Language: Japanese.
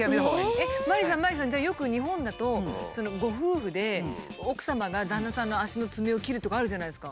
えっマリさんマリさんじゃあよく日本だとご夫婦で奥様が旦那さんの足のツメを切るとかあるじゃないですか。